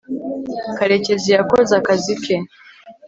karekezi yakoze akazi ke